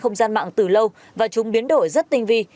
không gian mạng từ lâu và chúng biến đổi rất tinh vi